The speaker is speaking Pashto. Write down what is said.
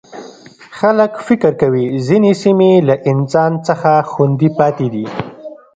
خلک فکر کوي ځینې سیمې له انسان څخه خوندي پاتې دي.